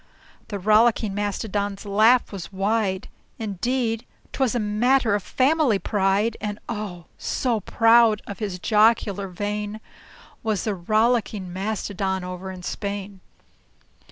The Rollicking Mastodon's laugh was wide Indeed, 't was a matter of family pride; And oh! so proud of his jocular vein Was the Rollicking Mastodon over in Spain.